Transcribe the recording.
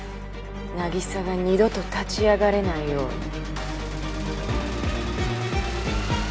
凪沙が二度と立ち上がれないように。